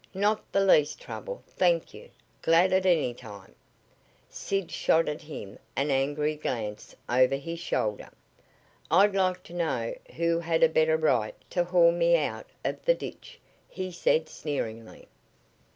"Not the least trouble, thank you. Glad at any time " Sid shot at him an angry glance over his shoulder. "I'd like to know who had a better right to haul me out of the ditch?" he said sneeringly.